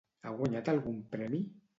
Ha guanyat algun premi?